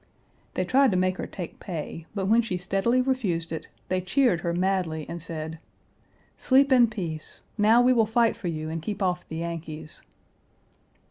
They tried to make her take pay, but when she steadily refused it, they cheered her madly and said: "Sleep in peace. Now we will fight for you and keep off the Yankees."